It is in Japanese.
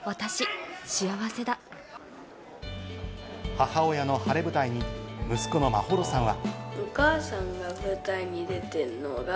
母親の晴れ舞台に、息子の眞秀さんは。